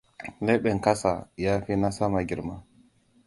Leɓen ƙasa ya fi na sama girma.